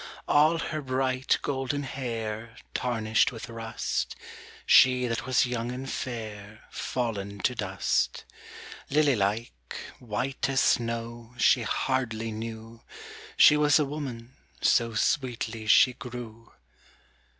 All her bright golden hair Tarnished with rust, She that was young and fair Fallen to dust. lily like, white as snow, She hardly knew She was a woman, so Sweetly she grew.